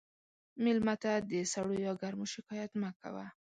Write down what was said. مېلمه ته د سړو یا ګرمو شکایت مه کوه.